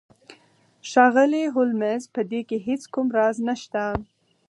ښاغلی هولمز په دې کې هیڅ کوم راز نشته